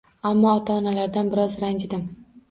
Ammo ota-onalardan biroz ranjidim.